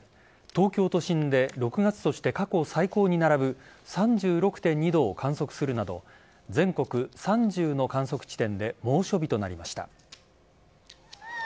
東京都心で６月として過去最高に並ぶ３６．２度を観測するなど全国３０の観測地点で猛暑日となりました。